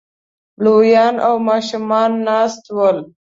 لويان او ماشومان ناست ول